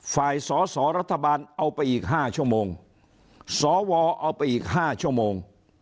ฝ่ายสอสอรัฐบาลเอาไปอีกห้าชั่วโมงสวเอาไปอีกห้าชั่วโมง